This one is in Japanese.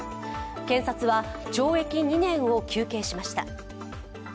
検察は懲役２年を求刑しました。